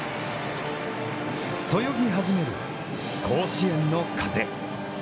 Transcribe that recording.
そよぎ始める甲子園の風。